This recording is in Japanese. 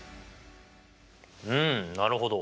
うんなるほど。